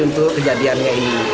untuk kejadiannya ini